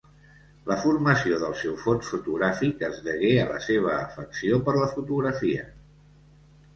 La formació del seu fons fotogràfic es degué a la seva afecció per la fotografia.